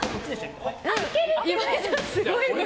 岩井さん、すごい。